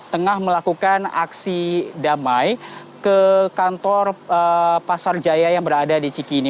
tengah melakukan aksi damai ke kantor pasar jaya yang berada di cikini